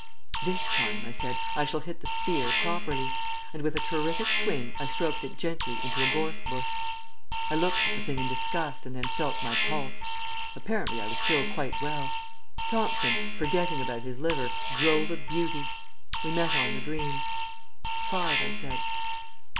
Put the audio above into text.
"This time," I said, "I shall hit the sphere properly," and with a terrific swing I stroked it gently into a gorse bush. I looked at the thing in disgust and then felt my pulse. Apparently I was still quite well. Thomson, forgetting about his liver, drove a beauty. We met on the green. "Five," I said.